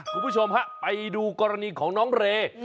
คุณผู้ชมฮะไปดูกรณีของน้องเรย์